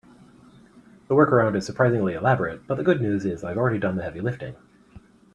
The workaround is surprisingly elaborate, but the good news is I've already done the heavy lifting.